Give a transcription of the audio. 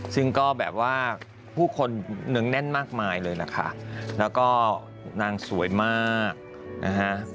ซึ่งก็แบบว่าผู้คนเนื้องแน่นมากมายเลยล่ะค่ะแล้วก็นางสวยมากนะฮะ